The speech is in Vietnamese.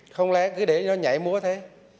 không lẽ cứ để nó nhảy múa thế